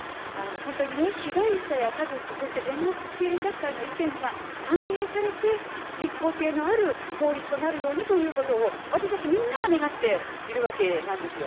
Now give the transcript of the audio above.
本当にね、被害者や家族、そして、弁護士連絡会の意見が反映されて、実効性のある法律となるようにということを、私たちみんなが願っているわけなんですよ。